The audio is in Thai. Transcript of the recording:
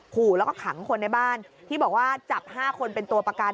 ขู่แล้วก็ขังคนในบ้านที่บอกว่าจับ๕คนเป็นตัวประกัน